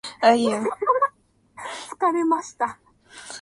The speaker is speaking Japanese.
疲れました